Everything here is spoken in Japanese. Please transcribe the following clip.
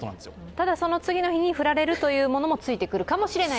ただその次の日に振られるというものもついてくるかもしれない。